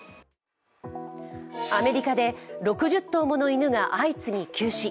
アメリカで６０頭もの犬が相次ぎ急死。